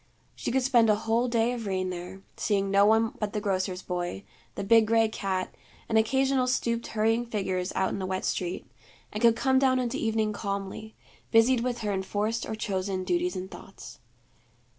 She could spend a whole day of rain there, seeing no one but the grocer's boy, the big gray cat, and occasional stooped hurrying figures out in the wet street and could come down into evening calmly, busied with her enforced or chosen duties and thoughts.